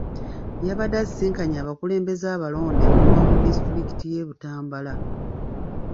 Yabadde asisinkanye abakulembeze abalonde okuva mu disitulikiti y'e Butambala.